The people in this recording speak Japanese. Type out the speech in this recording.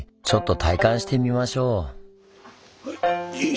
ちょっと体感してみましょう。